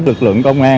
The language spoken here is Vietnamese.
lực lượng công an